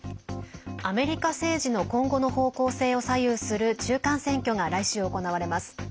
アメリカ政治の今後の方向性を左右する中間選挙が来週、行われます。